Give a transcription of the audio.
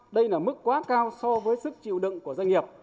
đây là mức quá cao so với sức chịu đựng của doanh nghiệp